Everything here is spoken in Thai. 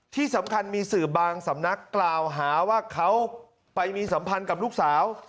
ที่สำคัญมีสื่อบางสำนักกล่าวหาว่าเขาไปมีสัมพันธ์กับลูกสาว